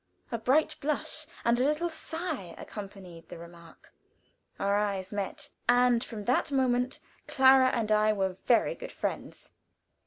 A bright blush, and a little sigh accompanied the remark. Our eyes met, and from that moment Clara and I were very good friends.